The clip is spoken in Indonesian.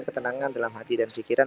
ketenangan dalam hati dan pikiran